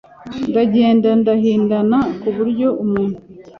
ndagenda ndahindana ku buryo umuntu